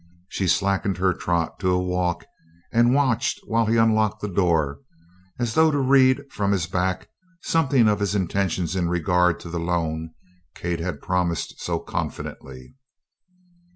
She slackened her trot to a walk and watched while he unlocked the door, as though to read from his back something of his intentions in regard to the loan Kate had promised so confidently.